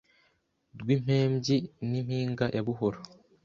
Rwimpembyi n'impinga ya Buhoro